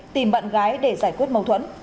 tìm bạn gái để giải quyết mâu thuẫn